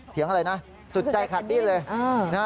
เถียงอะไรนะสุดใจขัดดีเลย